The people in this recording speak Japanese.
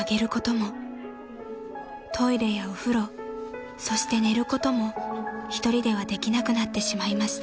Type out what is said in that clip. ［トイレやお風呂そして寝ることも一人ではできなくなってしまいました］